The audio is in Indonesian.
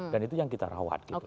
dan itu yang kita rawat